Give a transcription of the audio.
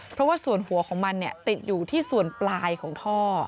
เพราะว่าส่วนหัวของมันติดอยู่ที่ส่วนปลายของท่อ